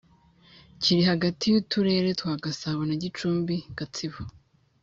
Kiri hagati y’Uturere twa Gasabo na Gicumbi, Gatsibo